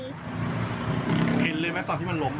เห็นเลยไหมตอนที่มันล้ม